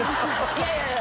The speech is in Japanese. いやいやいや